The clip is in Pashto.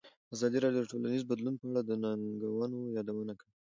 ازادي راډیو د ټولنیز بدلون په اړه د ننګونو یادونه کړې.